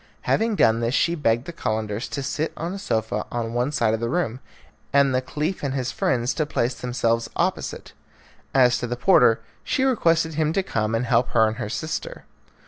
Having done this she begged the Calenders to sit on a sofa on one side of the room, and the Caliph and his friends to place themselves opposite. As to the porter, she requested him to come and help her and her sister.